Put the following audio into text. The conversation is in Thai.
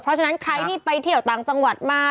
เพราะฉะนั้นใครที่ไปเที่ยวต่างจังหวัดมา